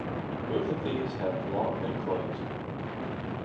Both of these have long been closed.